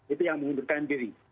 itu yang mengundurkan diri